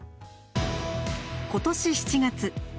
今年７月。